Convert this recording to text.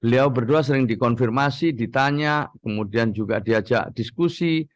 beliau berdua sering dikonfirmasi ditanya kemudian juga diajak diskusi